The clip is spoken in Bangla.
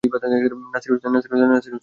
নাসির হোসেন